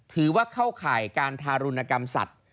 ถือว่าเข้าข่ายการทารุณกรรมสัตว์